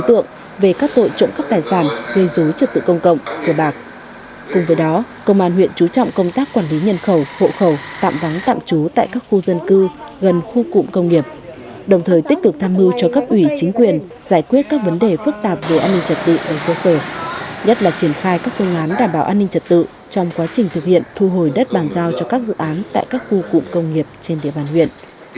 trong đó chú trọng công tác phối hợp giữa ban quản lý khu công nghiệp đơn vị tổ bảo vệ của các doanh nghiệp đồng thời tích cực tham mưu cho các ủy chính quyền giải quyết các vấn đề phức tạp về an ninh trật tự và cơ sở nhất là triển khai các công án đảm bảo an ninh trật tự trong quá trình thực hiện thu hồi đất bàn giao cho các dự án tại các khu cụm công nghiệp trên địa bàn huyện